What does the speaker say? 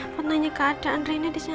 mau tanya ke ada andrina di sana